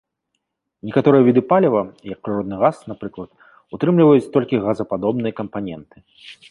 Некаторыя віды паліва, як прыродны газ, напрыклад, утрымліваць толькі газападобныя кампаненты.